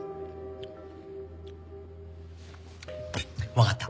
わかった。